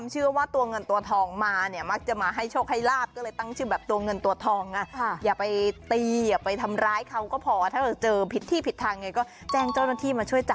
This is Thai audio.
หนีลงนามไปเลย